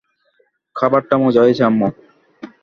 খাবারটা মজা হয়েছে, আম্মু।